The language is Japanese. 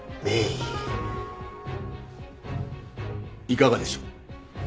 いかがでしょう？